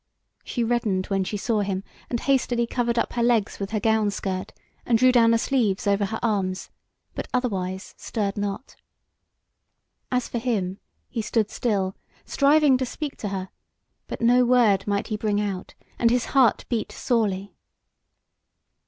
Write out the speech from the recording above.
She reddened when she saw him, and hastily covered up her legs with her gown skirt, and drew down the sleeves over her arms, but otherwise stirred not. As for him, he stood still, striving to speak to her; but no word might he bring out, and his heart beat sorely.